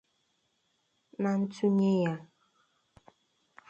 Na ntụnye ya